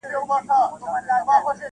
• د نسیم قاصد لیدلي مرغکۍ دي په سېلونو -